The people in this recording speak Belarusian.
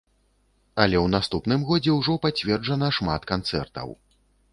Але ў наступным годзе ўжо пацверджана шмат канцэртаў.